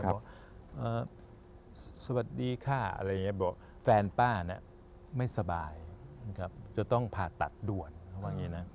ครับครับสวัสดีค่ะอะไรอย่างนี้บอกแฟนป้าไม่สบายจะต้องผ่าตัดด่วนว่าอย่างนี้นะ